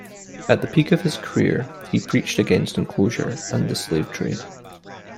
At the peak of his career, he preached against enclosure and the slave trade.